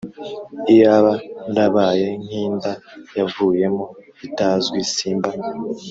Iyaba narabaye nk inda yavuyemo itazwi simba